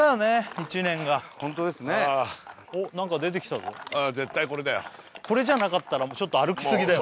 １年がホントですねおっ何か出てきたぞ絶対これだよこれじゃなかったらちょっと歩きすぎだよ